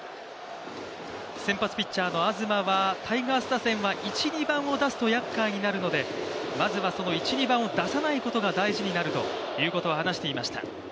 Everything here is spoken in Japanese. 先発ピッチャーの東はタイガース打線は１・２番を出すとやっかいになるので、まずはその１・２番を出さないことが大事だと話していました。